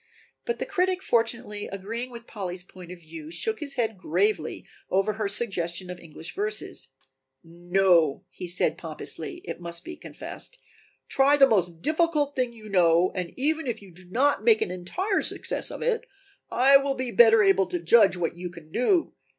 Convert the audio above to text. But the critic fortunately agreeing with Polly's point of view shook his head gravely over her suggestion of English verses. "No," he said a little pompously, it must be confessed, "try the most difficult thing you know and even if you do not make an entire success of it I will be better able to judge what you can do."